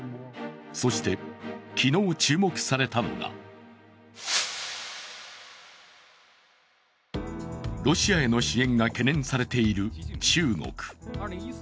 そして昨日注目されたのがロシアへの支援が懸念されている中国。